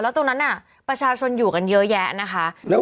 เพราะฉะนั้นน่ะประชาชนอยู่กันเยอะแยะนะคะ